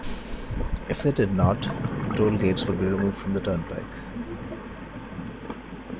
If they did not, tollgates would be removed from the turnpike.